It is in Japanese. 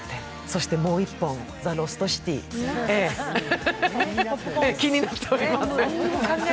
そしてもう１本、「ザ・ロストシティ」気になっております。